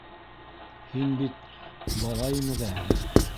Һин бит... бала имеҙәһең.